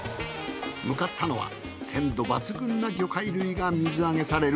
向かったのは鮮度抜群な魚介類が水揚げされる